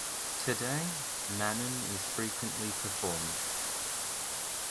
Today, "Manon" is frequently performed.